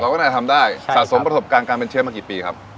ก็น่าจะทำได้สะสมประสบการณ์การเป็นเชฟมากี่ปีครับ